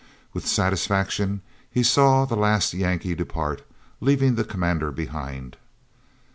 With satisfaction he saw the last Yankee depart, leaving the commander behind.